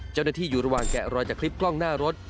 เจ้าหน้าที่อยู่ระหว่างแกะรอยจากคลิปกล้องหน้ารถ